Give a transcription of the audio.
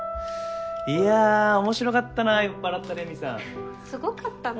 いや面白かったな酔っ払ったレミさん。ははっすごかったね